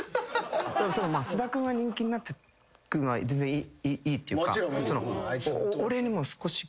菅田君が人気になってくのは全然いいっていうか。